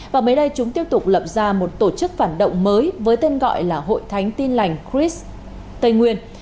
và mới đây chúng tiếp tục lập ra một tổ chức phản động mới với tên gọi là hội thánh tin lành cris tây nguyên